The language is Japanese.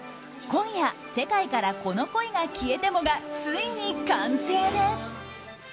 「今夜、世界からこの恋が消えても」がついに完成です。